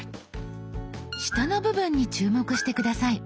下の部分に注目して下さい。